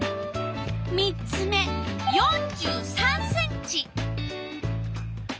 ３つ目４３ｃｍ。